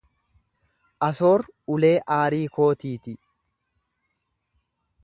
Asoor ulee aarii kootiiti.